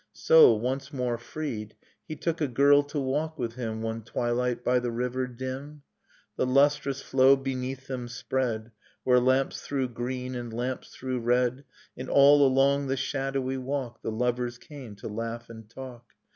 So, once more freed, He took a girl to walk with him One twilight by the river; dim. The lustrous flow beneath them spread. Where lamps threw green and lamps threw red, And all along the shadowy walk The lovers came to laugh and talk.